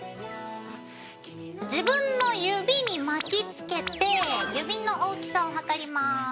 自分の指に巻きつけて指の大きさを測ります。